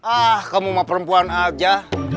ah kamu mau perempuan aja